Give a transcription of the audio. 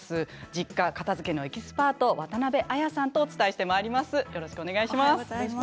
実家片づけのエキスパート渡部亜矢さんとお伝えしてまいります。